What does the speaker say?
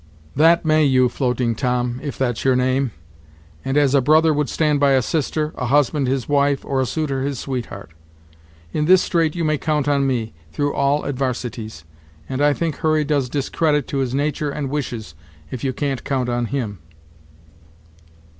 "That may you, Floating Tom, if that's your name; and as a brother would stand by a sister, a husband his wife, or a suitor his sweetheart. In this strait you may count on me, through all advarsities; and I think Hurry does discredit to his natur' and wishes, if you can't count on him."